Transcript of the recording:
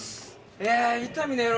いや伊丹の野郎